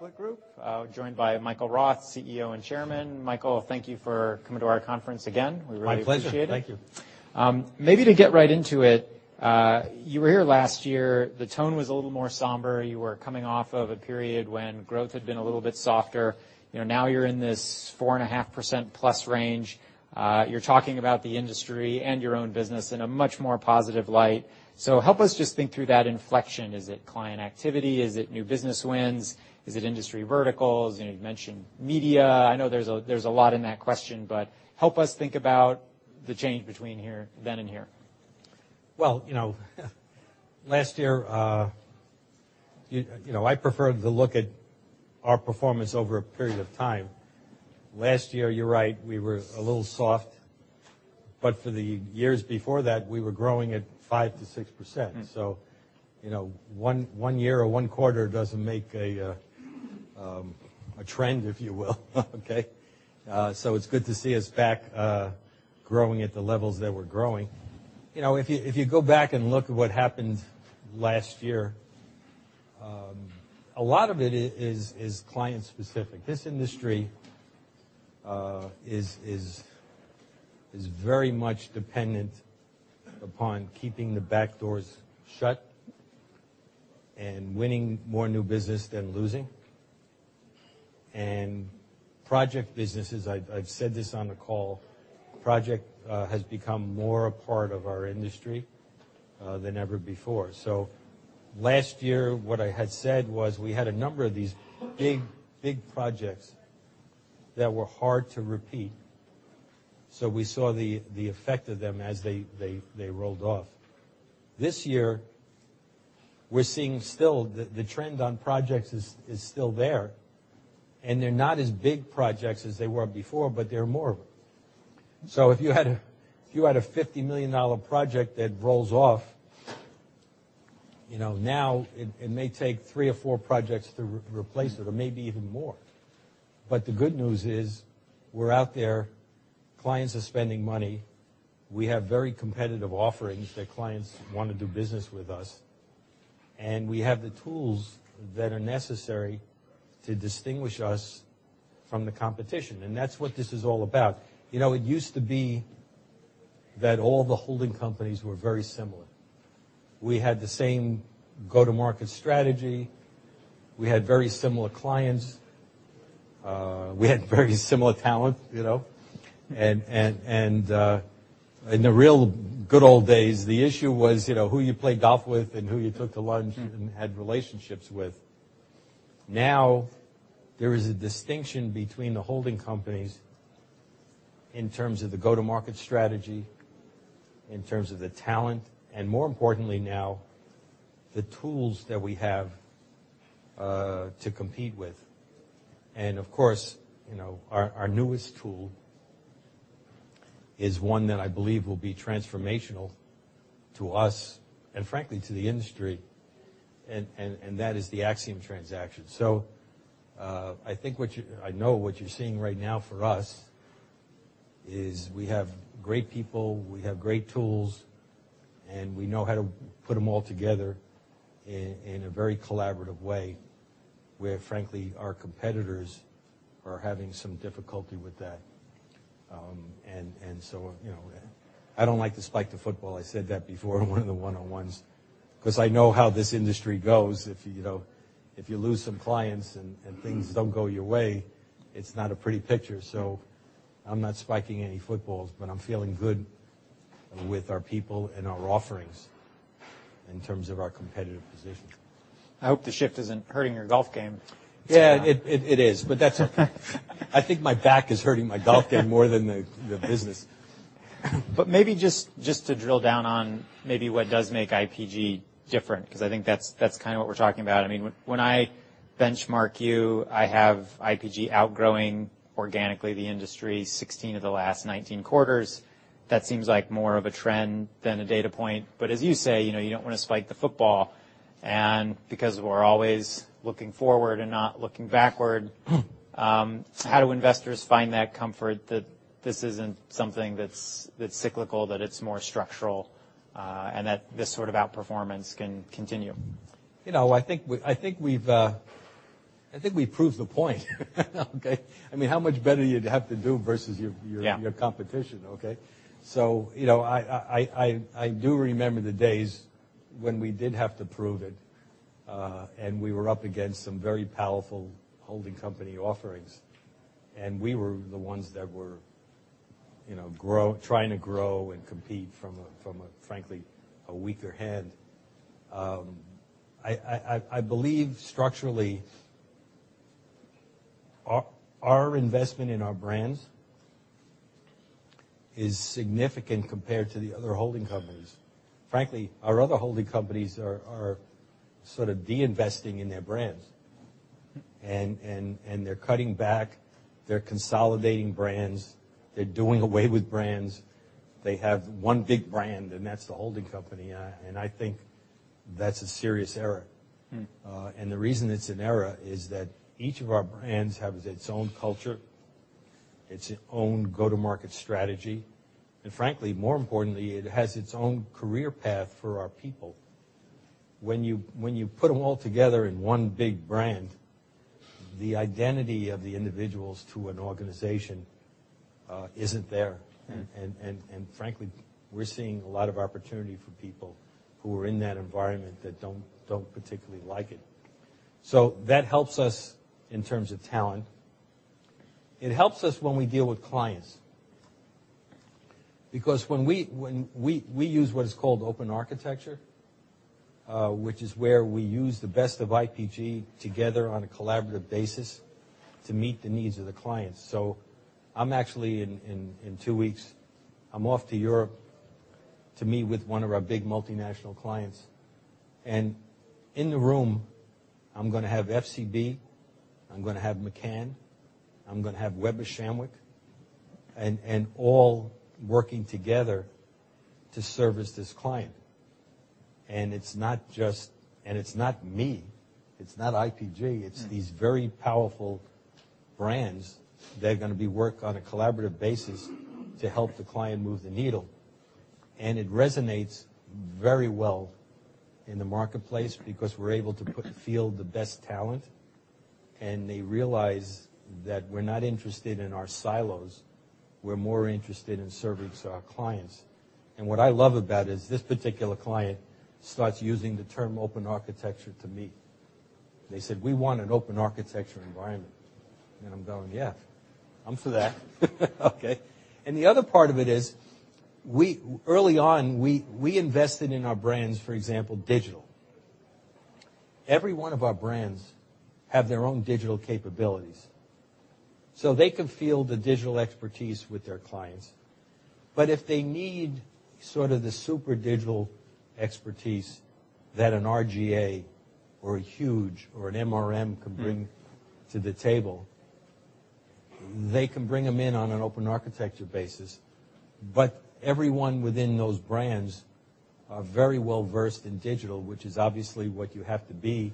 Interpublic Group, joined by Michael Roth, CEO and Chairman. Michael, thank you for coming to our conference again. We really appreciate it. My pleasure. Thank you. Maybe to get right into it, you were here last year. The tone was a little more somber. You were coming off of a period when growth had been a little bit softer. Now you're in this 4.5% plus range. You're talking about the industry and your own business in a much more positive light. So help us just think through that inflection. Is it client activity? Is it new business wins? Is it industry verticals? You mentioned media. I know there's a lot in that question, but help us think about the change between then and here. Last year, I prefer to look at our performance over a period of time. Last year, you're right, we were a little soft, but for the years before that, we were growing at 5%-6%. One year or one quarter doesn't make a trend, if you will. It's good to see us back growing at the levels that we're growing. If you go back and look at what happened last year, a lot of it is client-specific. This industry is very much dependent upon keeping the back doors shut and winning more new business than losing and project businesses. I've said this on the call, project has become more a part of our industry than ever before. So last year, what I had said was we had a number of these big projects that were hard to repeat, so we saw the effect of them as they rolled off. This year, we're seeing still the trend on projects is still there, and they're not as big projects as they were before, but there are more of them. So if you had a $50 million project that rolls off, now it may take three or four projects to replace it, or maybe even more. But the good news is we're out there, clients are spending money, we have very competitive offerings that clients want to do business with us, and we have the tools that are necessary to distinguish us from the competition. And that's what this is all about. It used to be that all the holding companies were very similar. We had the same go-to-market strategy. We had very similar clients. We had very similar talent. And in the real good old days, the issue was who you played golf with and who you took to lunch and had relationships with. Now there is a distinction between the holding companies in terms of the go-to-market strategy, in terms of the talent, and more importantly now, the tools that we have to compete with. And of course, our newest tool is one that I believe will be transformational to us and frankly to the industry, and that is the Acxiom transaction. So I think I know what you're seeing right now for us is we have great people, we have great tools, and we know how to put them all together in a very collaborative way where frankly our competitors are having some difficulty with that. And so I don't like to spike the football. I said that before in one of the one-on-ones because I know how this industry goes. If you lose some clients and things don't go your way, it's not a pretty picture. So I'm not spiking any footballs, but I'm feeling good with our people and our offerings in terms of our competitive position. I hope the shift isn't hurting your golf game. Yeah, it is, but that's okay. I think my back is hurting my golf game more than the business. But maybe just to drill down on maybe what does make IPG different because I think that's kind of what we're talking about. I mean, when I benchmark you, I have IPG outgrowing organically the industry 16 of the last 19 quarters. That seems like more of a trend than a data point. But as you say, you don't want to spike the football. And because we're always looking forward and not looking backward, how do investors find that comfort that this isn't something that's cyclical, that it's more structural and that this sort of outperformance can continue? I think we've proved the point. I mean, how much better you'd have to do versus your competition. So I do remember the days when we did have to prove it, and we were up against some very powerful holding company offerings, and we were the ones that were trying to grow and compete from a frankly weaker hand. I believe structurally our investment in our brands is significant compared to the other holding companies. Frankly, our other holding companies are sort of de-investing in their brands, and they're cutting back, they're consolidating brands, they're doing away with brands. They have one big brand, and that's the holding company. And I think that's a serious error. And the reason it's an error is that each of our brands has its own culture, its own go-to-market strategy. And frankly, more importantly, it has its own career path for our people. When you put them all together in one big brand, the identity of the individuals to an organization isn't there, and frankly, we're seeing a lot of opportunity for people who are in that environment that don't particularly like it, so that helps us in terms of talent. It helps us when we deal with clients because we use what is called open architecture, which is where we use the best of IPG together on a collaborative basis to meet the needs of the clients, so I'm actually in two weeks. I'm off to Europe to meet with one of our big multinational clients, and in the room, I'm going to have FCB, I'm going to have McCann, I'm going to have Weber Shandwick, and all working together to service this client. And it's not just me, it's not IPG, it's these very powerful brands that are going to be working on a collaborative basis to help the client move the needle. And it resonates very well in the marketplace because we're able to field the best talent, and they realize that we're not interested in our silos. We're more interested in serving our clients. And what I love about it is this particular client starts using the term open architecture to me. They said, "We want an open architecture environment." And I'm going, "Yeah, I'm for that." And the other part of it is early on, we invested in our brands, for example, digital. Every one of our brands has their own digital capabilities. So they can field the digital expertise with their clients. But if they need sort of the super digital expertise that an R/GA or a Huge or an MRM can bring to the table, they can bring them in on an open architecture basis. But everyone within those brands are very well versed in digital, which is obviously what you have to be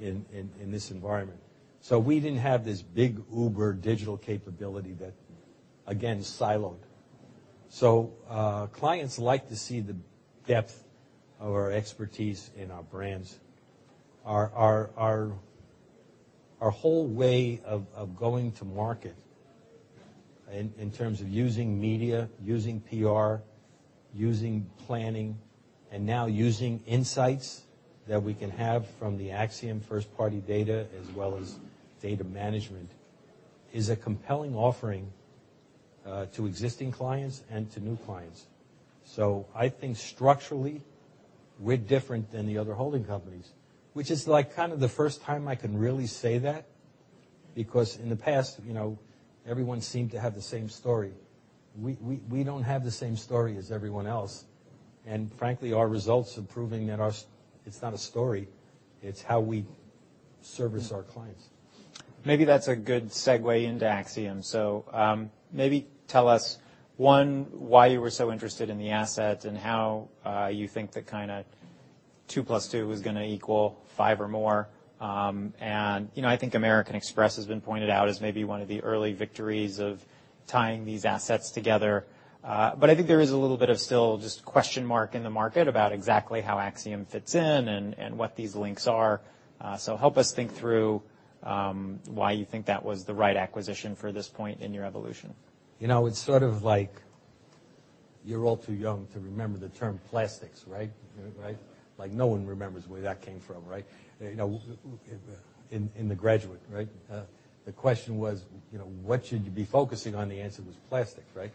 in this environment. So we didn't have this big uber digital capability that, again, siloed. So clients like to see the depth of our expertise in our brands. Our whole way of going to market in terms of using media, using PR, using planning, and now using insights that we can have from the Acxiom first-party data as well as data management is a compelling offering to existing clients and to new clients. I think structurally we're different than the other holding companies, which is like kind of the first time I can really say that because in the past, everyone seemed to have the same story. We don't have the same story as everyone else. And frankly, our results are proving that it's not a story, it's how we service our clients. Maybe that's a good segue into Acxiom. So maybe tell us, one, why you were so interested in the asset and how you think that kind of two plus two was going to equal five or more? And I think American Express has been pointed out as maybe one of the early victories of tying these assets together. But I think there is a little bit of still just question mark in the market about exactly how Acxiom fits in and what these links are. So help us think through why you think that was the right acquisition for this point in your evolution? It's sort of like you're all too young to remember the term plastics, right? No one remembers where that came from, right? In The Graduate, the question was, what should you be focusing on? The answer was plastics, right?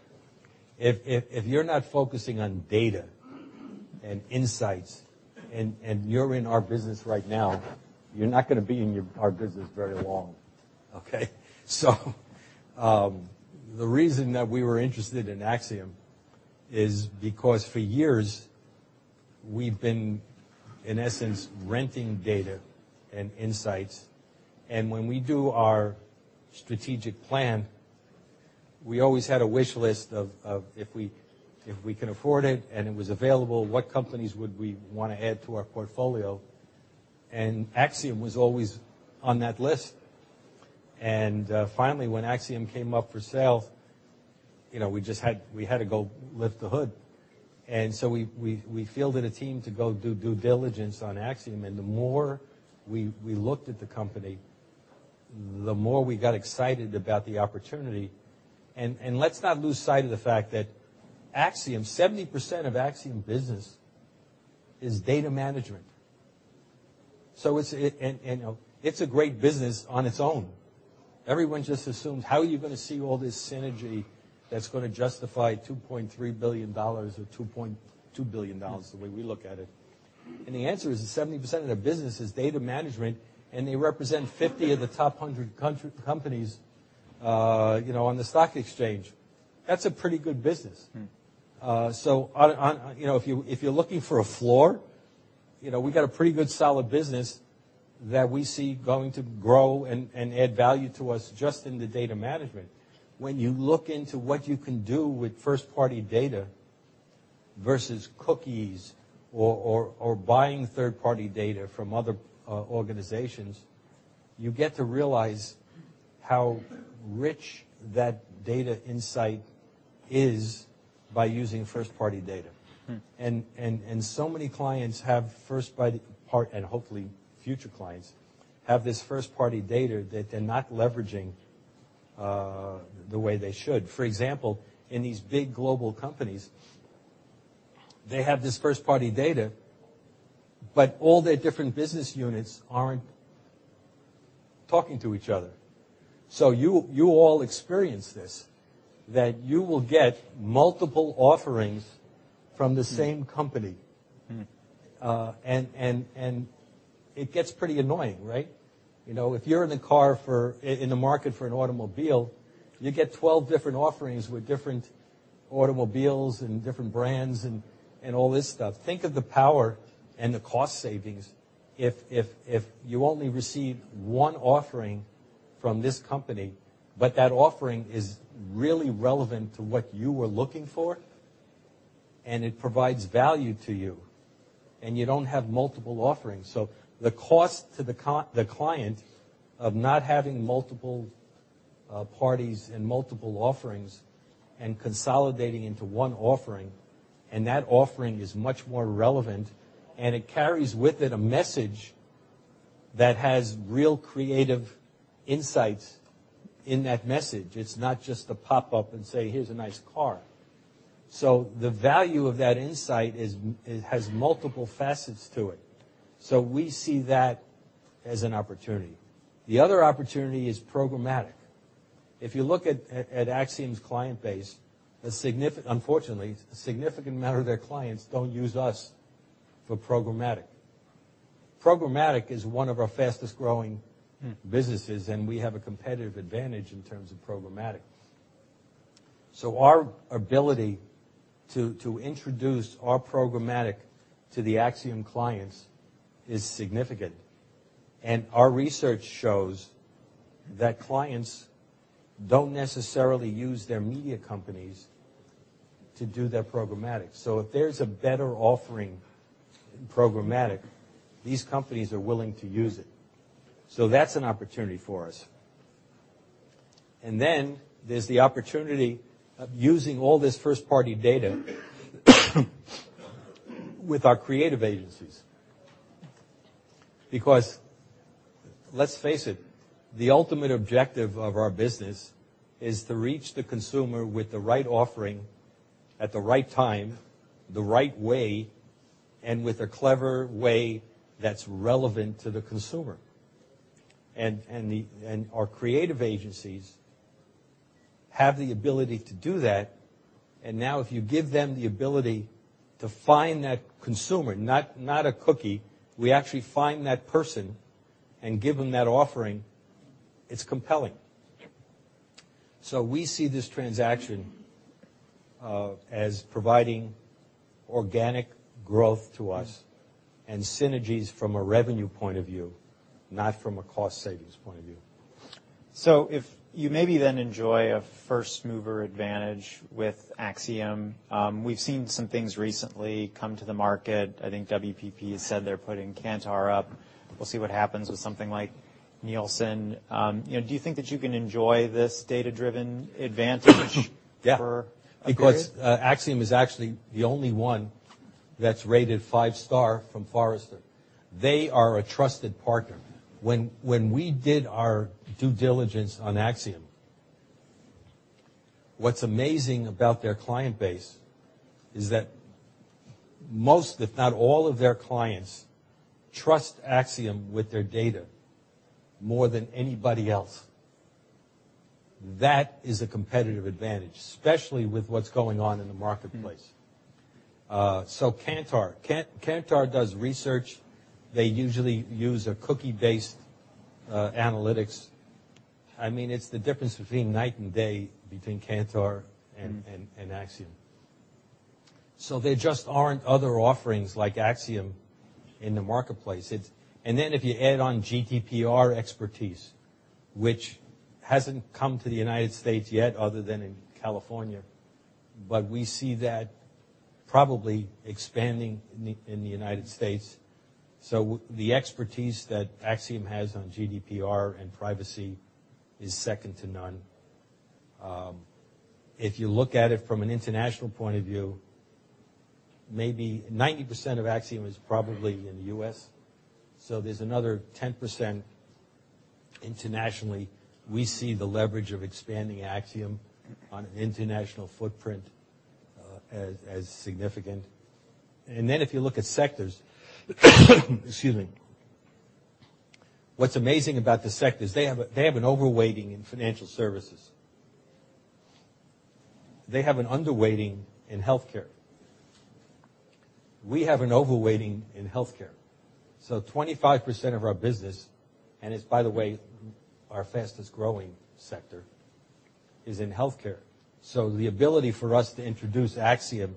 If you're not focusing on data and insights and you're in our business right now, you're not going to be in our business very long. So the reason that we were interested in Acxiom is because for years we've been, in essence, renting data and insights. And when we do our strategic plan, we always had a wish list of if we can afford it and it was available, what companies would we want to add to our portfolio. And Acxiom was always on that list. And finally, when Acxiom came up for sale, we had to go lift the hood. And so we fielded a team to go do due diligence on Acxiom. And the more we looked at the company, the more we got excited about the opportunity. And let's not lose sight of the fact that 70% of Acxiom's business is data management. And it's a great business on its own. Everyone just assumes how are you going to see all this synergy that's going to justify $2.3 billion or $2.2 billion the way we look at it? And the answer is 70% of their business is data management, and they represent 50 of the top 100 companies on the stock exchange. That's a pretty good business. So if you're looking for a floor, we got a pretty good solid business that we see going to grow and add value to us just in the data management. When you look into what you can do with first-party data versus cookies or buying third-party data from other organizations, you get to realize how rich that data insight is by using first-party data. And so many clients have first-party and hopefully future clients have this first-party data that they're not leveraging the way they should. For example, in these big global companies, they have this first-party data, but all their different business units aren't talking to each other. So you all experience this that you will get multiple offerings from the same company. And it gets pretty annoying, right? If you're in the market for an automobile, you get 12 different offerings with different automobiles and different brands and all this stuff. Think of the power and the cost savings if you only receive one offering from this company, but that offering is really relevant to what you were looking for, and it provides value to you, and you don't have multiple offerings. So the cost to the client of not having multiple parties and multiple offerings and consolidating into one offering, and that offering is much more relevant, and it carries with it a message that has real creative insights in that message. It's not just a pop-up and say, "Here's a nice car." So the value of that insight has multiple facets to it. So we see that as an opportunity. The other opportunity is programmatic. If you look at Acxiom's client base, unfortunately, a significant amount of their clients don't use us for programmatic. Programmatic is one of our fastest-growing businesses, and we have a competitive advantage in terms of programmatic. So our ability to introduce our programmatic to the Acxiom clients is significant. And our research shows that clients don't necessarily use their media companies to do their programmatic. So if there's a better offering programmatic, these companies are willing to use it. So that's an opportunity for us. And then there's the opportunity of using all this first-party data with our creative agencies. Because let's face it, the ultimate objective of our business is to reach the consumer with the right offering at the right time, the right way, and with a clever way that's relevant to the consumer. And our creative agencies have the ability to do that. Now if you give them the ability to find that consumer, not a cookie, we actually find that person and give them that offering, it's compelling. We see this transaction as providing organic growth to us and synergies from a revenue point of view, not from a cost savings point of view. So you maybe then enjoy a first-mover advantage with Acxiom. We've seen some things recently come to the market. I think WPP has said they're putting Kantar up. We'll see what happens with something like Nielsen. Do you think that you can enjoy this data-driven advantage for a client? Yeah, because Acxiom is actually the only one that's rated five-star from Forrester. They are a trusted partner. When we did our due diligence on Acxiom, what's amazing about their client base is that most, if not all of their clients, trust Acxiom with their data more than anybody else. That is a competitive advantage, especially with what's going on in the marketplace. So Kantar does research. They usually use a cookie-based analytics. I mean, it's the difference between night and day between Kantar and Acxiom. So there just aren't other offerings like Acxiom in the marketplace. And then if you add on GDPR expertise, which hasn't come to the United States yet other than in California, but we see that probably expanding in the United States. So the expertise that Acxiom has on GDPR and privacy is second to none. If you look at it from an international point of view, maybe 90% of Acxiom is probably in the U.S. So there's another 10% internationally. We see the leverage of expanding Acxiom on an international footprint as significant, and then if you look at sectors, excuse me, what's amazing about the sectors, they have an overweighting in financial services. They have an underweighting in healthcare. We have an overweighting in healthcare, so 25% of our business, and it's, by the way, our fastest-growing sector, is in healthcare. So the ability for us to introduce Acxiom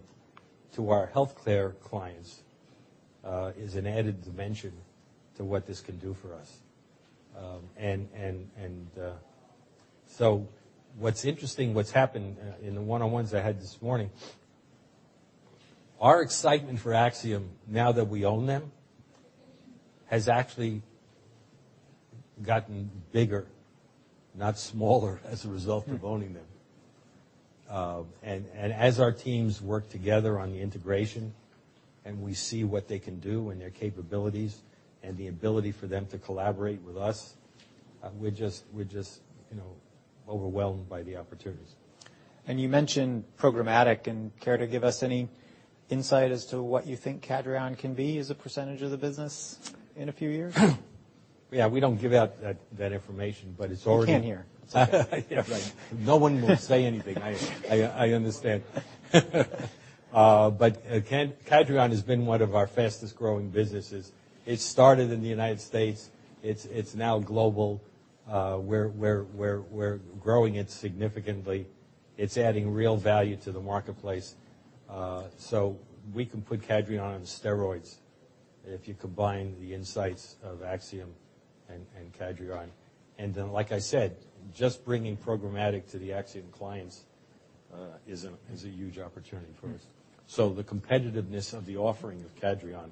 to our healthcare clients is an added dimension to what this can do for us, and so what's interesting, what's happened in the one-on-ones I had this morning, our excitement for Acxiom, now that we own them, has actually gotten bigger, not smaller, as a result of owning them. And as our teams work together on the integration and we see what they can do and their capabilities and the ability for them to collaborate with us, we're just overwhelmed by the opportunities. You mentioned programmatic. Care to give us any insight as to what you think Cadreon can be as a percentage of the business in a few years? Yeah, we don't give out that information, but it's already. You can't hear. No one will say anything. I understand. But Cadreon has been one of our fastest-growing businesses. It started in the United States. It's now global. We're growing it significantly. It's adding real value to the marketplace. So we can put Cadreon on steroids if you combine the insights of Acxiom and Cadreon. And then, like I said, just bringing programmatic to the Acxiom clients is a huge opportunity for us. So the competitiveness of the offering of Cadreon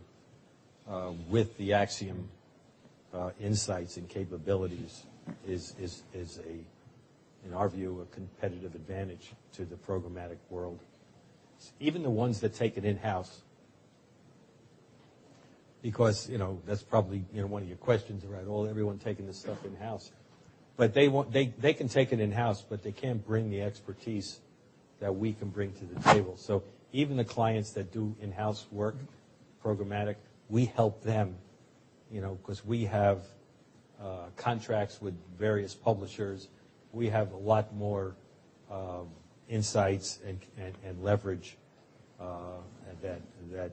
with the Acxiom insights and capabilities is, in our view, a competitive advantage to the programmatic world. Even the ones that take it in-house, because that's probably one of your questions around everyone taking this stuff in-house. But they can take it in-house, but they can't bring the expertise that we can bring to the table. So even the clients that do in-house work, programmatic, we help them because we have contracts with various publishers. We have a lot more insights and leverage that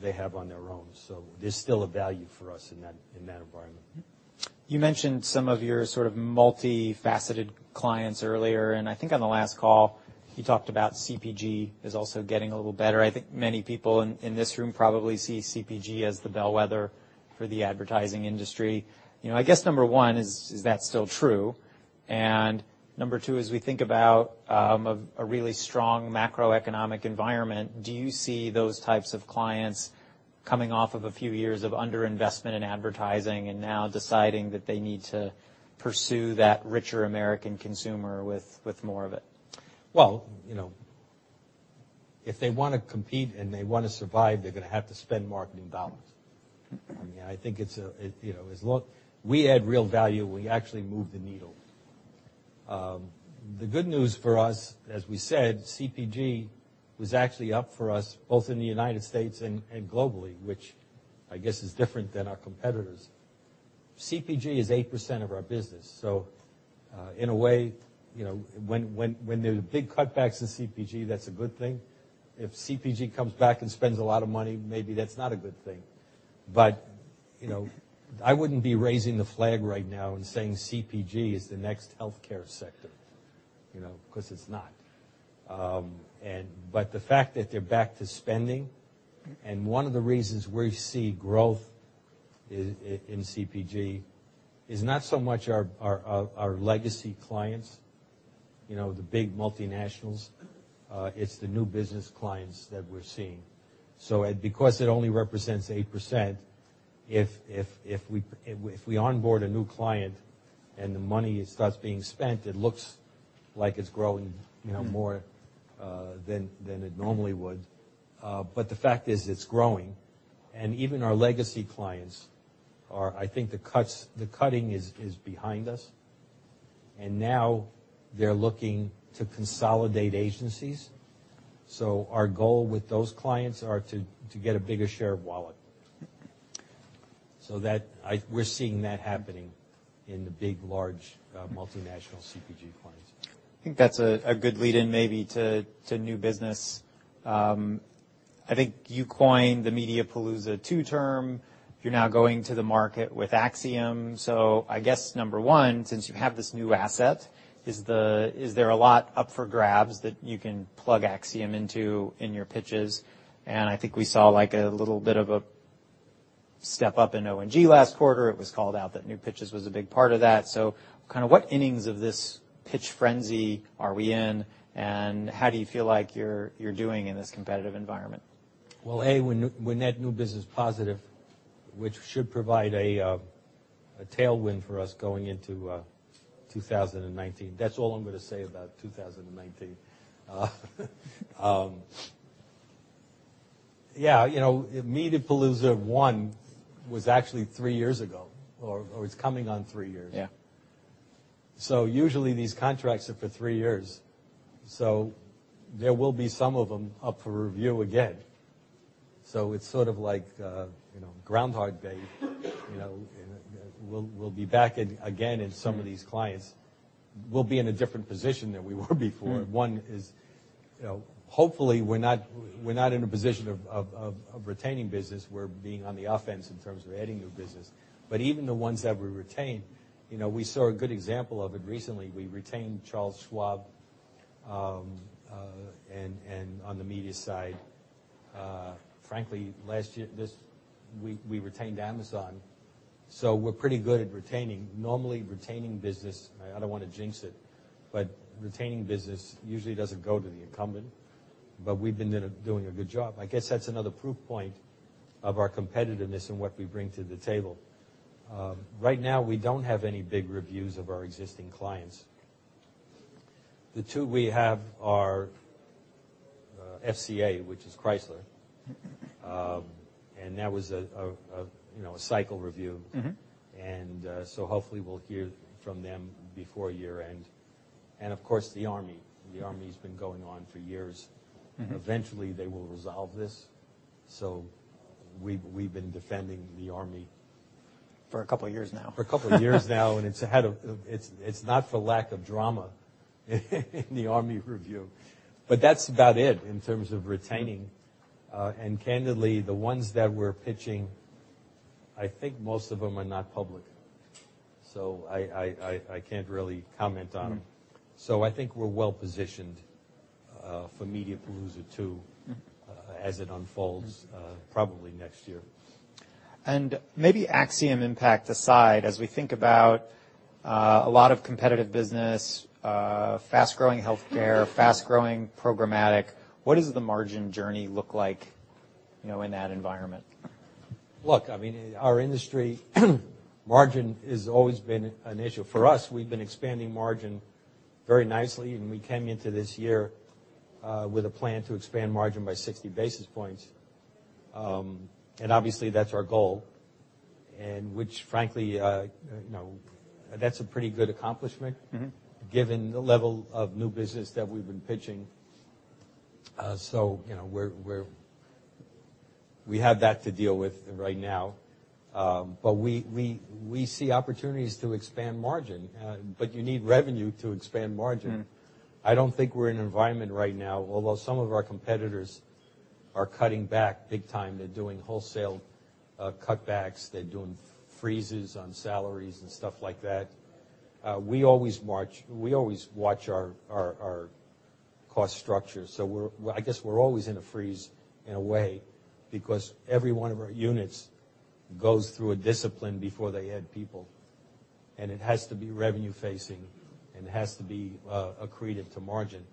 they have on their own. So there's still a value for us in that environment. You mentioned some of your sort of multifaceted clients earlier. And I think on the last call, you talked about CPG is also getting a little better. I think many people in this room probably see CPG as the bellwether for the advertising industry. I guess number one is that still true? And number two, as we think about a really strong macroeconomic environment, do you see those types of clients coming off of a few years of underinvestment in advertising and now deciding that they need to pursue that richer American consumer with more of it? If they want to compete and they want to survive, they're going to have to spend marketing dollars. I mean, I think it's a. We add real value. We actually move the needle. The good news for us, as we said, CPG was actually up for us both in the United States and globally, which I guess is different than our competitors. CPG is 8% of our business. So in a way, when there's big cutbacks in CPG, that's a good thing. If CPG comes back and spends a lot of money, maybe that's not a good thing. But I wouldn't be raising the flag right now and saying CPG is the next healthcare sector because it's not. But the fact that they're back to spending, and one of the reasons we see growth in CPG is not so much our legacy clients, the big multinationals. It's the new business clients that we're seeing. So because it only represents 8%, if we onboard a new client and the money starts being spent, it looks like it's growing more than it normally would. But the fact is it's growing. And even our legacy clients, I think the cutting is behind us. And now they're looking to consolidate agencies. So our goal with those clients is to get a bigger share of wallet. So we're seeing that happening in the big, large multinational CPG clients. I think that's a good lead-in maybe to new business. I think you coined the media palooza term. You're now going to the market with Acxiom, so I guess number one, since you have this new asset, is there a lot up for grabs that you can plug Acxiom into in your pitches, and I think we saw a little bit of a step up in ONG last quarter. It was called out that new pitches was a big part of that, so kind of what innings of this pitch frenzy are we in, and how do you feel like you're doing in this competitive environment? Well, A, we're net new business positive, which should provide a tailwind for us going into 2019. That's all I'm going to say about 2019. Yeah, Mediapalooza one was actually three years ago, or it's coming on three years. So usually these contracts are for three years. So there will be some of them up for review again. So it's sort of like Groundhog Day. We'll be back again in some of these clients. We'll be in a different position than we were before. One is hopefully we're not in a position of retaining business. We're being on the offense in terms of adding new business. But even the ones that we retain, we saw a good example of it recently. We retained Charles Schwab on the media side. Frankly, last year, we retained Amazon. So we're pretty good at retaining. Normally, retaining business, I don't want to jinx it, but retaining business usually doesn't go to the incumbent, but we've been doing a good job. I guess that's another proof point of our competitiveness and what we bring to the table. Right now, we don't have any big reviews of our existing clients. The two we have are FCA, which is Chrysler, and that was a cycle review, and so hopefully we'll hear from them before year-end, and of course, the Army. The Army has been going on for years. Eventually, they will resolve this, so we've been defending the Army. For a couple of years now. For a couple of years now. And it's not for lack of drama in the Army review. But that's about it in terms of retaining. And candidly, the ones that we're pitching, I think most of them are not public. So I can't really comment on them. So I think we're well positioned for Mediapalooza two as it unfolds probably next year. And maybe Acxiom impact aside, as we think about a lot of competitive business, fast-growing healthcare, fast-growing programmatic, what does the margin journey look like in that environment? Look, I mean, our industry margin has always been an issue. For us, we've been expanding margin very nicely. And we came into this year with a plan to expand margin by 60 basis points. And obviously, that's our goal, which frankly, that's a pretty good accomplishment given the level of new business that we've been pitching. So we have that to deal with right now. But we see opportunities to expand margin. But you need revenue to expand margin. I don't think we're in an environment right now, although some of our competitors are cutting back big time. They're doing wholesale cutbacks. They're doing freezes on salaries and stuff like that. We always watch our cost structure. So I guess we're always in a freeze in a way because every one of our units goes through a discipline before they add people. And it has to be revenue-facing. And it has to be accretive to margin,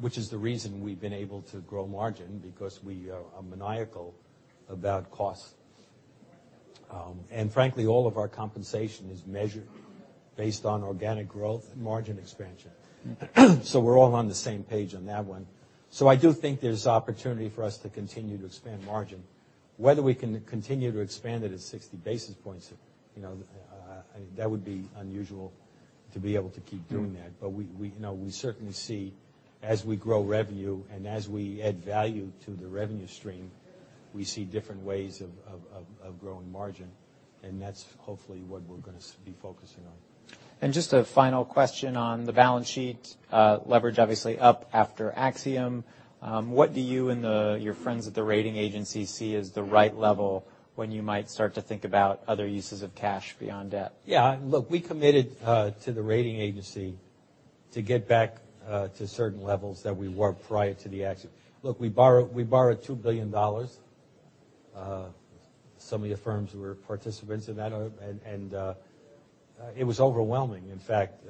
which is the reason we've been able to grow margin because we are maniacal about cost. And frankly, all of our compensation is measured based on organic growth and margin expansion. So we're all on the same page on that one. So I do think there's opportunity for us to continue to expand margin. Whether we can continue to expand it at 60 basis points, that would be unusual to be able to keep doing that. But we certainly see, as we grow revenue and as we add value to the revenue stream, we see different ways of growing margin. And that's hopefully what we're going to be focusing on. Just a final question on the balance sheet. Leverage obviously up after Acxiom. What do you and your friends at the rating agency see as the right level when you might start to think about other uses of cash beyond debt? Yeah. Look, we committed to the rating agency to get back to certain levels that we were prior to the action. Look, we borrowed $2 billion. Some of your firms were participants in that. And it was overwhelming. In fact,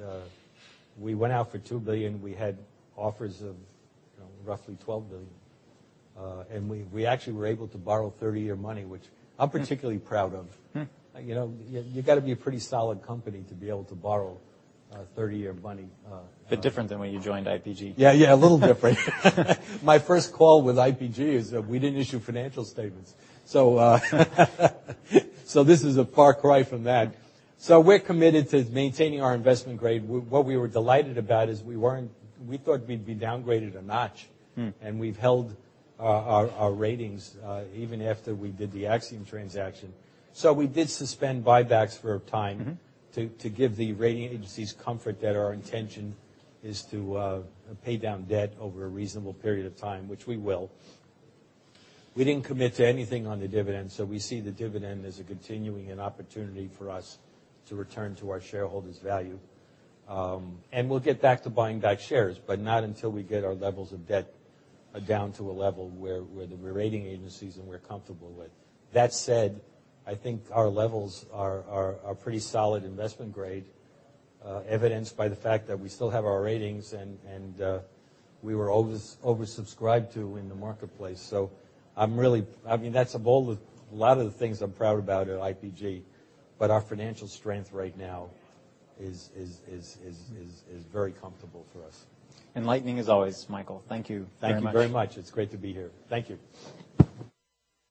we went out for $2 billion. We had offers of roughly $12 billion. And we actually were able to borrow 30-year money, which I'm particularly proud of. You've got to be a pretty solid company to be able to borrow 30-year money. A bit different than when you joined IPG. Yeah, yeah, a little different. My first call with IPG is that we didn't issue financial statements, so this is a far cry from that, so we're committed to maintaining our investment grade. What we were delighted about is we thought we'd be downgraded a notch, and we've held our ratings even after we did the Acxiom transaction. So we did suspend buybacks for a time to give the rating agencies comfort that our intention is to pay down debt over a reasonable period of time, which we will. We didn't commit to anything on the dividend, so we see the dividend as a continuing opportunity for us to return to our shareholders' value, and we'll get back to buying back shares, but not until we get our levels of debt down to a level where the rating agencies and we're comfortable with. That said, I think our levels are pretty solid investment grade, evidenced by the fact that we still have our ratings and we were oversubscribed to in the marketplace, so I mean, that's a plus. A lot of the things I'm proud about at IPG, but our financial strength right now is very comfortable for us. Enlightening as always, Michael. Thank you. Thank you very much. It's great to be here. Thank you.